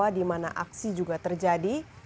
di mana aksi juga terjadi